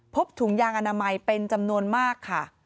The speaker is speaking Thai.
ถุงยางอนามัยเป็นจำนวนมากค่ะ